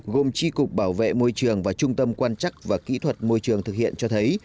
gồm tri cục bảo vệ môi trường và trung tâm quan chắc và kỹ thuật môi trường thực hiện cho thấy